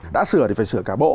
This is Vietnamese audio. đã sửa thì phải sửa cả bộ